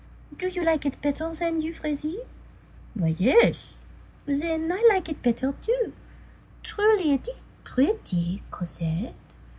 "Do you like it better than Euphrasie?" "Why, yes." "Then I like it better too. Truly, it is pretty, Cosette.